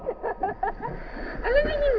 ini dingin banget